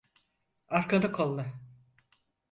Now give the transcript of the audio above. Arkanı kolla!